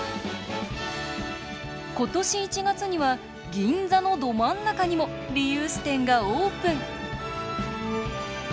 今年１月には銀座のど真ん中にもリユース店がオープン。